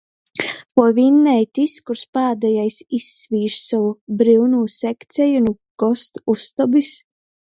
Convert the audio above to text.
Voi vinnej tys, kurs pādejais izsvīž sovu bryunū sekceju nu gostu ustobys?